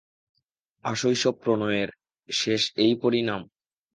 আশৈশব প্রণয়ের শেষ এই পরিণাম?